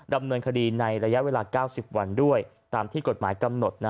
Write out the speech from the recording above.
ดำเนินคดีในระยะเวลา๙๐วันด้วยตามที่กฎหมายกำหนด